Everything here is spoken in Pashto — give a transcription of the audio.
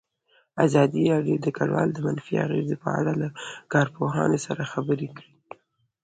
ازادي راډیو د کډوال د منفي اغېزو په اړه له کارپوهانو سره خبرې کړي.